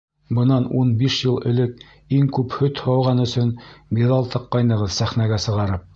Бынан ун биш йыл элек иң күп һөт һауған өсөн миҙал таҡҡайнығыҙ сәхнәгә сығарып.